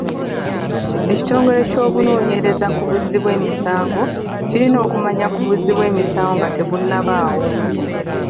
Ekitongole ky'obunonyereza ku buzzi bw'emisango kirina okumanya ku buzzi bw'emisango nga tebunnabaawo.